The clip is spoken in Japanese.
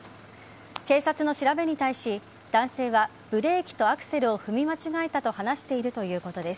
警察の調べに対し、男性はブレーキとアクセルを踏み間違えたと話しているということです。